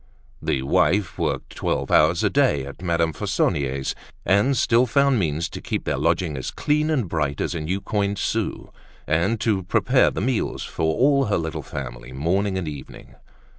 The wife worked twelve hours a day at Madame Fauconnier's, and still found means to keep their lodging as clean and bright as a new coined sou and to prepare the meals for all her little family, morning and evening.